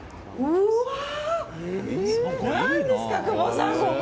何ですか、久保さん、ここ。